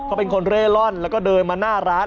เขาเป็นคนเร่ร่อนแล้วก็เดินมาหน้าร้าน